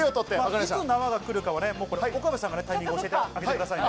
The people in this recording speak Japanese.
いつ縄が来るかを岡部さんがタイミングを教えてあげてくださいね。